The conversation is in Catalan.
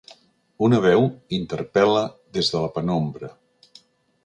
Una veu l'interpel·la des de la penombra.